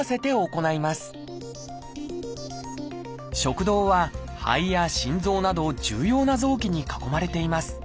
食道は肺や心臓など重要な臓器に囲まれています。